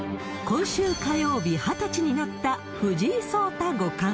今週火曜日、２０歳になった藤井聡太五冠。